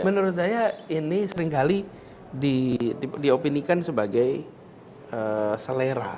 menurut saya ini seringkali diopinikan sebagai selera